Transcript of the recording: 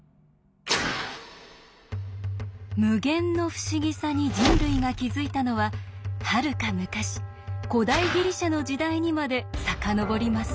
無限の不思議さに人類が気付いたのははるか昔古代ギリシャの時代にまで遡ります。